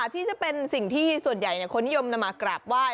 ที่จะเป็นสิ่งที่ส่วนใหญ่คนนิยมนำมากราบไหว้